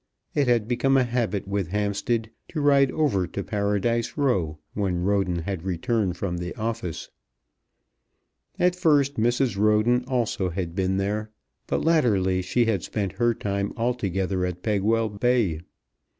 It had become a habit with Hampstead to ride over to Paradise Row when Roden had returned from the office. At first Mrs. Roden also had been there; but latterly she had spent her time altogether at Pegwell Bay.